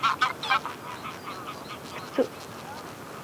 Ur ak-ssutreɣ ad teqqimed yid-i.